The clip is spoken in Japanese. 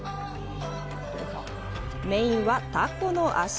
メインはタコの足！